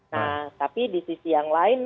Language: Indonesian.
nah tapi di sisi yang lain